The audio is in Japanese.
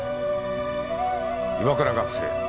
岩倉学生。